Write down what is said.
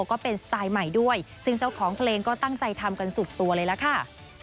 ก็เป็นสไตล์ใหม่ด้วยซึ่งเจ้าของเพลงก็ตั้งใจทำกันสุดตัวเลยล่ะค่ะ